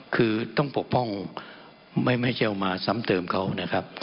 คือต้องปกป้องไม่ใช่เอามาซ้ำเติมเขานะครับ